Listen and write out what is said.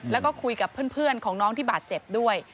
แล้วก็คุยกับเพื่อนของน้องที่บาดเจ็บด้วย